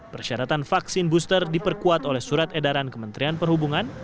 persyaratan vaksin booster diperkuat oleh surat edaran kementerian perhubungan